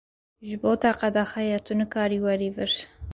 Ji bo te qedexe ye, tu nikarî werî vir.